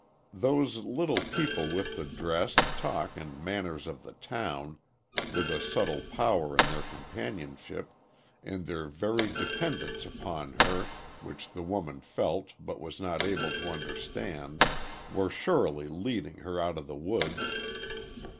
Those little people with the dress, talk, and manners of the town with a subtle power in their companionship, in their very dependence upon her, which the woman felt but was not able to understand were surely leading her out of the woods.